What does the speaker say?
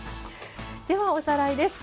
ではおさらいです。